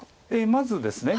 まずですね